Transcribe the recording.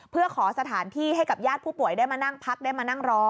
เพื่อขอสถานที่ให้กับญาติผู้ป่วยได้มานั่งพักได้มานั่งรอ